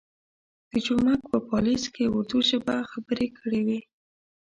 د جومک په پالیز کې اردو ژبه خبرې کړې وې.